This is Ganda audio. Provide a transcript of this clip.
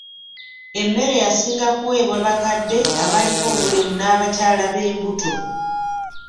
Emmere yasinga kuweebwa bakadde, abaliko obulemu n'abakyala b'embuto.